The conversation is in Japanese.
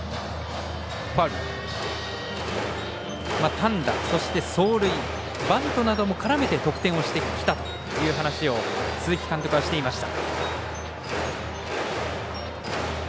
単打、そして走塁バントなども絡めて得点をしてきたという話を鈴木監督はしていました。